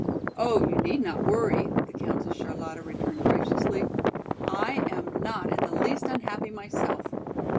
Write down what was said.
"Oh, you need not worry," the Countess Charlotta returned graciously, "I am not in the least unhappy myself.